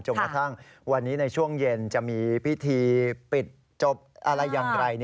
กระทั่งวันนี้ในช่วงเย็นจะมีพิธีปิดจบอะไรอย่างไร